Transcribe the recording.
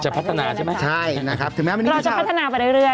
จะพัฒนาใช่ไหมครับเราจะพัฒนาไปเรื่อย